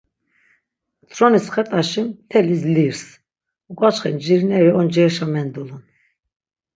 Tronis xet̆aşi mteli lirs, uk̆açxe ncirineri oncireşa mendulun.